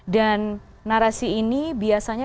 dan narasi ini biasanya